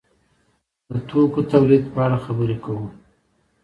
د توکو تولید په اړه خبرې کوو.